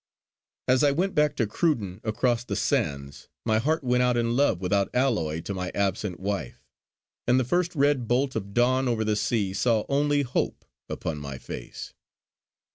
As I went back to Cruden across the sands my heart went out in love without alloy to my absent wife; and the first red bolt of dawn over the sea saw only hope upon my face.